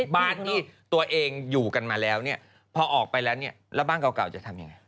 บ้านที่ตัวเองอยู่กันมาแล้วเนี่ยพอออกไปแล้วเนี่ยแล้วบ้านเก่าจะทำยังไง